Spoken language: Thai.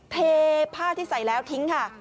เทผ้าที่ใส่แล้วทิ้งค่ะ